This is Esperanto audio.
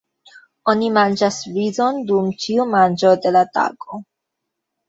Oni manĝas rizon dum ĉiu manĝo de la tago.